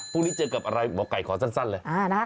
พรุ่งนี้เจอกับอะไรหมอไก่ขอสั้นเลย